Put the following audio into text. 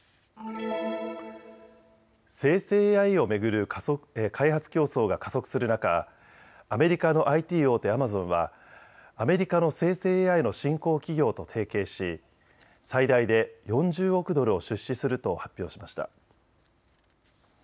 生成ＡＩを巡る開発競争が加速する中、アメリカのＩＴ大手、アマゾンはアメリカの生成ＡＩの新興企業と提携し最大で４０億ドルを出資すると発表しました。